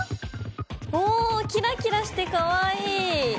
おおキラキラしてかわいい！